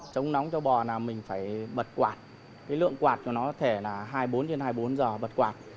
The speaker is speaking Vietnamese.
chống nóng cho bò là mình phải bật quạt cái lượng quạt của nó có thể là hai mươi bốn trên hai mươi bốn giờ bật quạt